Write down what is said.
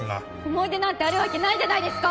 思い出なんてあるわけないじゃないですか。